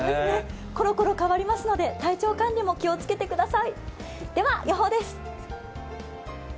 コロコロ変わりますので体調管理も気をつけてください。